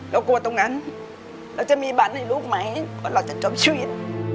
กลัวตรงนั้นเราจะมีบัตรให้ลูกไหมว่าเราจะจบชีวิต